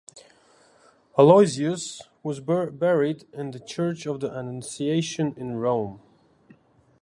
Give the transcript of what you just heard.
Aloysius was buried in the Church of the Annunciation in Rome.